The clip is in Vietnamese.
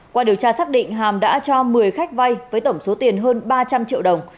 qua điều tra xác định hàm đã cho một mươi khách vay với tổng số tiền hơn ba trăm linh triệu đồng